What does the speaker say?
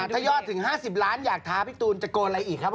ถ้ายอดถึง๕๐ล้านอยากท้าพี่ตูนจะโกนอะไรอีกครับ